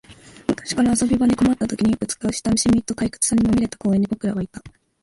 昔から遊び場に困ったときによく使う、親しみと退屈さにまみれた公園に僕らはいた